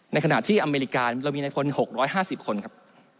ในขณะที่อเมริกาเรามีในพล๖๕๐คนครับ